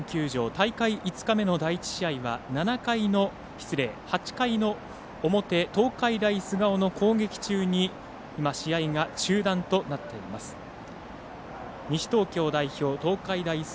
大会５日目の第１試合は８回の表東海大菅生の攻撃中に試合が中断となっています。